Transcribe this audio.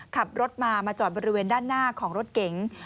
ขับรถมามาจอดบริเวณด้านหน้าของรถเก๋ง